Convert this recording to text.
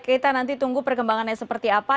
kita nanti tunggu perkembangannya seperti apa